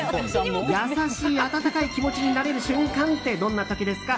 優しい温かい気持ちになれる瞬間ってどんな時ですか？